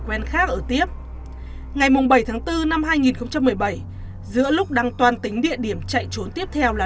quen khác ở tiếp ngày bảy tháng bốn năm hai nghìn một mươi bảy giữa lúc đang toàn tính địa điểm chạy trốn tiếp theo là